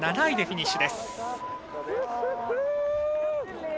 ７位でフィニッシュです。